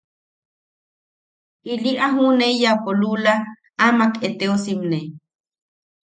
Ili a juʼuneiyapo luula amak eteosimne.